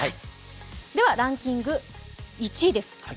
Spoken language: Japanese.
ではランキング１位です。